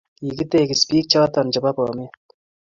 Kikitekis pik chaton che po bomet